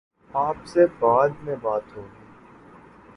آپ سے بعد میں بات ہو گی۔